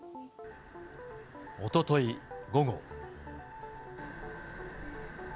おととい午後。